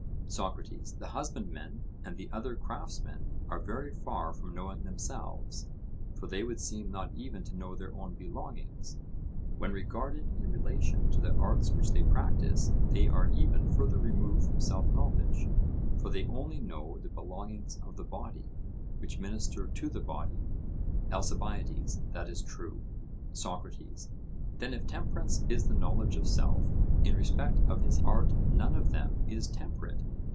SOCRATES: The husbandmen and the other craftsmen are very far from knowing themselves, for they would seem not even to know their own belongings? When regarded in relation to the arts which they practise they are even further removed from self knowledge, for they only know the belongings of the body, which minister to the body. ALCIBIADES: That is true. SOCRATES: Then if temperance is the knowledge of self, in respect of his art none of them is temperate?